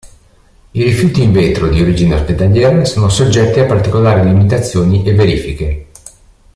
I rifiuti in vetro di origine ospedaliera sono soggetti a particolari limitazioni e verifiche.